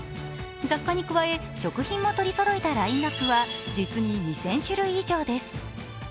雑貨に加え、食品も取りそろえたラインナップは実に２０００種類以上です。